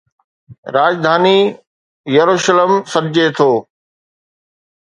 راڄڌاني يروشلم سڏجي ٿو